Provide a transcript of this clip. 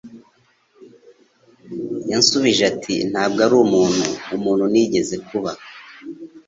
Yansubije ati Ntabwo ari umuntu umuntu nigeze kuba